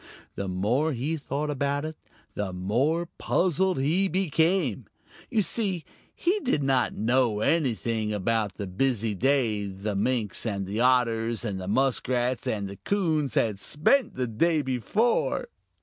The more he thought about it, the more puzzled he became. You see, he did not know anything about the busy day the Minks and the Otters and the Muskrats and the Coons had spent the day before.